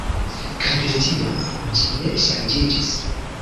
Kaj de tiam, ĝi ne ŝanĝiĝis.